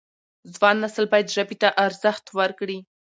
ځوان نسل باید ژبې ته ارزښت ورکړي.